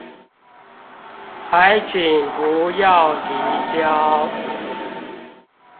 還請不要提交